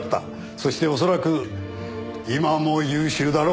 そして恐らく今も優秀だろう。